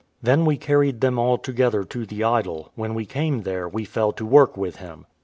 Then we carried them all together to the idol; when we came there, we fell to work with him.